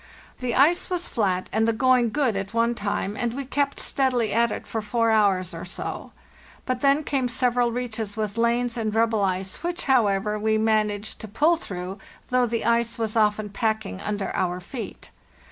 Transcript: The going good at one time, and we kept ice was flat and the steadily at it for four hours or so; but then came several reaches with lanes and rubble ice, which, however, we managed to pull through, though the ice was often pack ing under our feet.